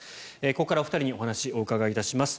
ここからお二人にお話お伺いいたします。